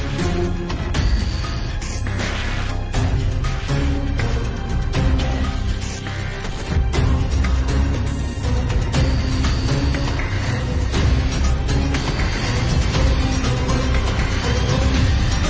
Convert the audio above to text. โปรดติดตามตอนต่อไป